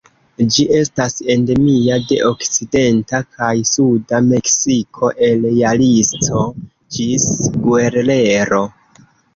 Ĝi estas endemia de okcidenta kaj suda Meksiko, el Jalisco ĝis Guerrero.